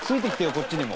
こっちにも。